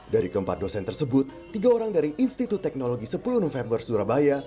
dari keempat dosen tersebut tiga orang dari institut teknologi sepuluh november surabaya